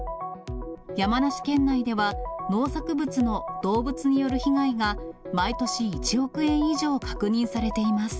山梨県内では、農作物の動物による被害が、毎年１億円以上確認されています。